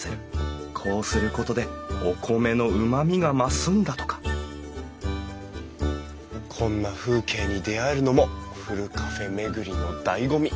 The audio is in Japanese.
こうすることでお米のうまみが増すんだとかこんな風景に出会えるのもふるカフェ巡りのだいご味！